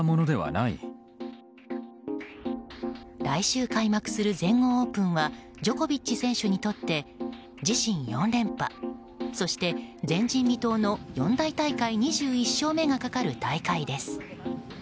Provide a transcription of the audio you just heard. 来週開幕する全豪オープンはジョコビッチ選手にとって自身４連覇そして前人未到の四大大会２１勝目がかかる大会です。